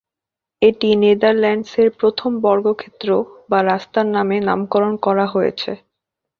এটি নেদারল্যান্ডসের প্রথম বর্গক্ষেত্র বা রাস্তার নামে নামকরণ করা হয়েছে।